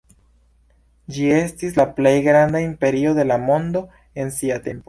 Ĝi estis la plej granda imperio de la mondo en sia tempo.